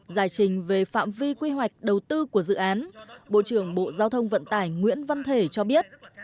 giải trình về phạm vi quy hoạch đầu tư của dự án bộ trưởng bộ giao thông vận tải nguyễn văn thể cho biết